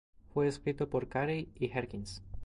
Fue escrito por Carey y Jerkins.